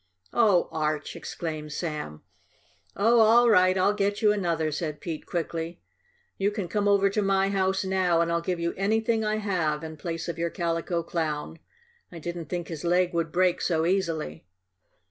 "Oh, Arch!" exclaimed Sam. "Oh, all right. I'll get you another," said Pete quickly. "You can come over to my house now, and I'll give you anything I have in place of your Calico Clown. I didn't think his leg would break so easily."